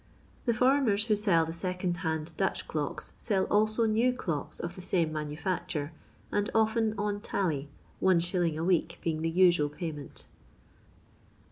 The foreigners who sell the second hand Dutch clocks sell also new clocks of the same manufacture, and often on tally, 1«. a week being the usual payment.